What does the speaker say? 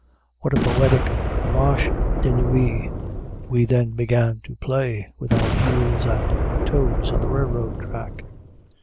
what a poetic Marche de Nuit we then began to play, with our heels and toes, on the railroad track!